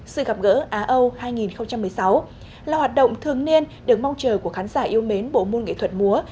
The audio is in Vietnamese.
sự gặp gỡ á âu hai nghìn một mươi sáu là hoạt động thường niên được mong chờ của khán giả yêu mến bộ môn nghệ thuật múa